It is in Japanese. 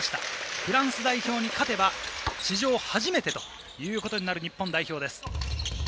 フランス代表に勝てば史上初めてということになる日本代表。